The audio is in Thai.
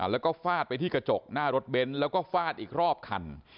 แล้วก็ฟาดไปที่กระจกหน้ารถเบนท์แล้วก็ฟาดอีกรอบคัน